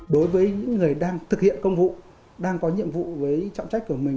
đối với những người đang thực hiện công vụ đang có nhiệm vụ với trọng trách của mình